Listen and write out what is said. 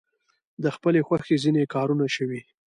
د خپلې خوښې ځینې کارونه شوي.